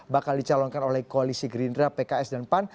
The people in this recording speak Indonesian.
bakal dicalonkan oleh koalisi gerindra pks dan pan